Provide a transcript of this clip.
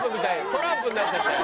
トランプになっちゃったよ。